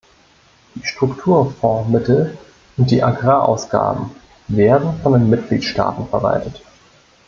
Die Strukturfondsmittel und die Agrarausgaben werden von den Mitgliedstaaten verwaltet.